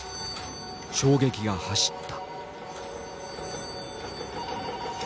衝撃が走った。